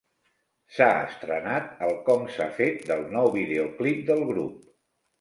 S'ha estrenat el com-s'ha-fet del nou videoclip del grup.